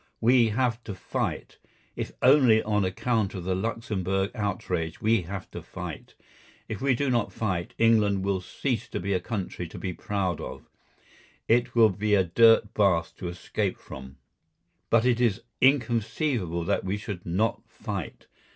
We have to fight. If only on account of the Luxemburg outrage we have to fight. If we do not fight, England will cease to be a country to be proud of; it will be a dirt bath to escape from. But it is inconceivable that we should not fight.